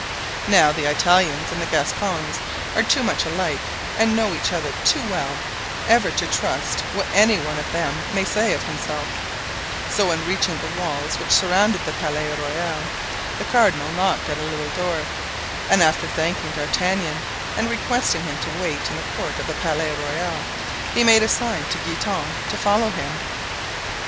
Now the Italians and the Gascons are too much alike and know each other too well ever to trust what any one of them may say of himself; so in reaching the walls which surrounded the Palais Royal, the cardinal knocked at a little door, and after thanking D'Artagnan and requesting him to wait in the court of the Palais Royal, he made a sign to Guitant to follow him.